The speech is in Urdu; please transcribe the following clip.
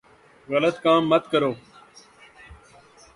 غلط کام مت کرو ـ